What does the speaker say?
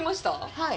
はい。